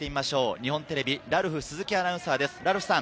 日本テレビ・ラルフ鈴木アナウンサーです。